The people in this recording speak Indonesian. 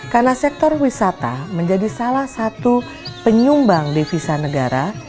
karena sektor wisata menjadi salah satu perusahaan yang terkenal di maluku utara